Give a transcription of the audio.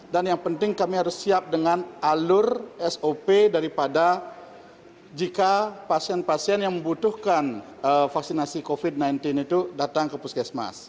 dan yang penting kami harus siap dengan alur sop daripada jika pasien pasien yang membutuhkan vaksinasi covid sembilan belas itu datang ke puskesmas